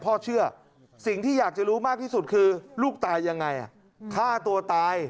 พ่อเชื่อสิ่งที่อยากจะรู้มากที่สุดคือลูกตายยังไงฆ่าตัวตาย